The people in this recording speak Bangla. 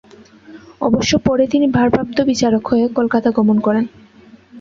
অবশ্য পরে তিনি ভারপ্রাপ্ত বিচারক হয়ে কলকাতা গমন করেন।